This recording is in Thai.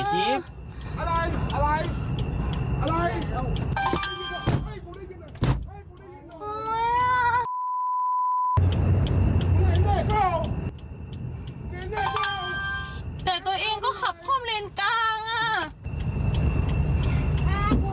แต่ตัวเองก็ขับคล่อมเลนกลางอ่ะ